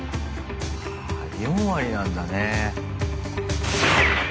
あ４割なんだね。